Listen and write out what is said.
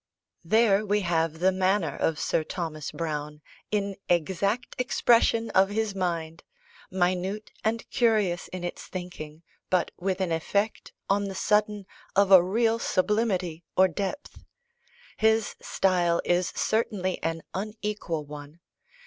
There, we have the manner of Sir Thomas Browne, in exact expression of his mind! minute and curious in its thinking; but with an effect, on the sudden, of a real sublimity or depth. His style is certainly an unequal one.